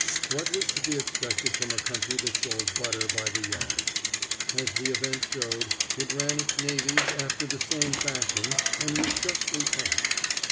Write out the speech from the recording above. What was to be expected from a country that sold butter by the yard? As the event showed, it ran its navies after the same fashion and was justly punished.